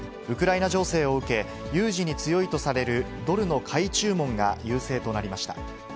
ウクライナ情勢を受け、有事に強いとされるドルの買い注文が優勢となりました。